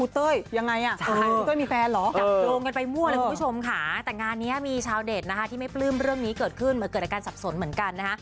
แต่งานนี้มีชาวเด็ดที่ไม่ปลื้มเรื่องนี้เกิดขึ้นเหมือนเกิดอาการสับสนเหมือนกันนะฮะ